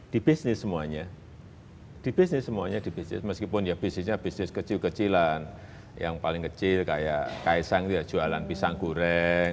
di bisnis semuanya meskipun bisnisnya bisnis kecil kecilan yang paling kecil kayak kaisang itu jualan pisang goreng